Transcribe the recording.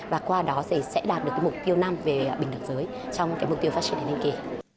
và qua đó sẽ đạt được mục tiêu nam về bình đẳng giới trong mục tiêu phát triển bền vững kỳ